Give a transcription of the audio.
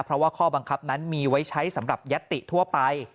เพราะว่าข้อบังคับนั้นมีไว้ใช้สำหรับยัตติทั่วไป